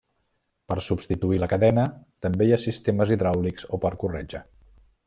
Per substituir la cadena també hi ha sistemes hidràulics o per corretja.